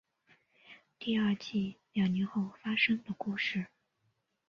第二季两年后发生的故事。